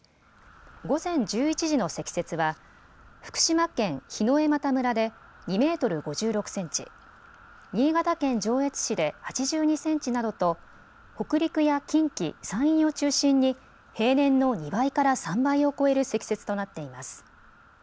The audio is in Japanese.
午前１１時の積雪は福島県檜枝岐村で２メートル５６センチ、新潟県上越市で８２センチなどと北陸や近畿、山陰を中心に平年の２倍から３倍を超える積雪となっています。